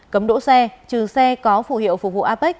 cấm đỗ xe trừ xe có phụ hiệu phục vụ apec